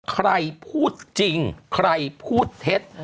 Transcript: ใครพูดจริงใครพูดเท็จ